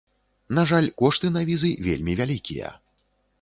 На жаль, кошты на візы вельмі вялікія.